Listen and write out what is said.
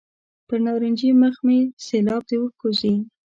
پر نارنجي مخ مې سېلاب د اوښکو ځي.